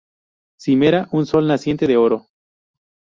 Cimera: un sol naciente de oro.